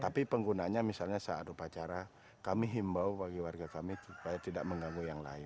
tapi penggunanya misalnya saat upacara kami himbau bagi warga kami supaya tidak mengganggu yang lain